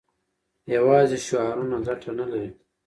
یوازې شعارونه ګټه نه لري.